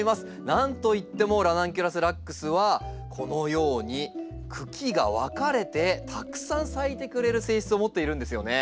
何といってもラナンキュラスラックスはこのように茎が分かれてたくさん咲いてくれる性質を持っているんですよね。